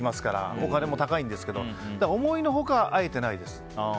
お金も高いんですけどだから、思いの外会えてないです。